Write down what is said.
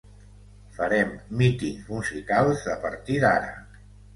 Farem mítings musicals a partir d’ara.